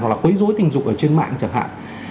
hoặc là quấy dối tình dục ở trên mạng chẳng hạn